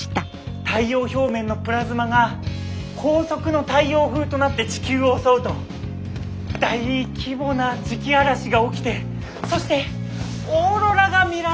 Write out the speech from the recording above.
太陽表面のプラズマが高速の太陽風となって地球を襲うと大規模な磁気嵐が起きてそしてオーロラが見られます。